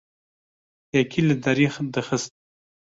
Yekî li derî dixist.